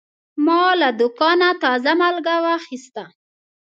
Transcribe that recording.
ما له دوکانه تازه مالګه واخیسته.